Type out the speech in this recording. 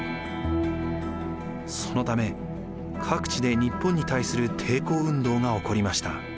そのため各地で日本に対する抵抗運動が起こりました。